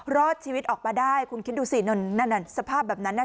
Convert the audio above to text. รอดชีวิตออกมาได้คุณคิดดูสินั่นสภาพแบบนั้นน่ะ